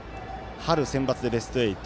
春センバツでベスト８。